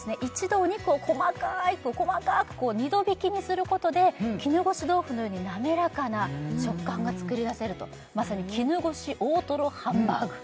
お肉を細かく細かく二度挽きにすることで絹ごし豆腐のように滑らかな食感が作り出せるとまさに絹ごし大とろハンバーグ